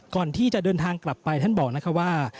ก่อนที่จะเดินทางกลับไปท่านบอกนะคะว่า